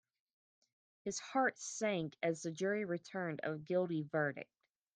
His heart sank as the jury returned a guilty verdict.